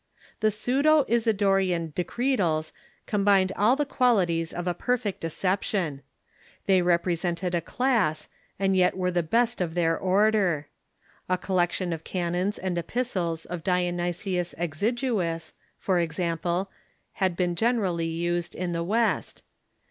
The pseudo Isidorean Decretals combined all the qualities of a perfect deception. They represented a class, and yet were the best of their order. A collection of canons and epistles of Dionj'sius Exiguus, for example, had been gener ally used in the West.